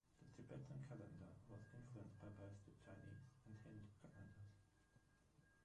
The Tibetan calendar was influenced by both the Chinese and Hindu calendars.